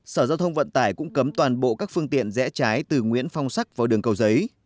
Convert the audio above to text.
sở giao thông vận tải cũng cấm toàn bộ các phương tiện rẽ trái từ nguyễn phong sắc vào đường cầu giấy